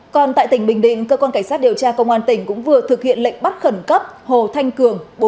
còn tại tỉnh bình định cơ quan cảnh sát điều tra công an tỉnh cũng vừa thực hiện lệnh bắt khẩn cấp hồ thanh cường